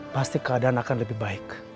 pasti keadaan akan lebih baik